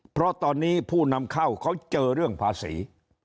เพราะตอนนี้ผู้นำเข้าเขาเจอเรื่องภาษี